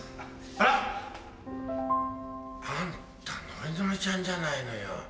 あら！？あんたノリノリちゃんじゃないのよ！？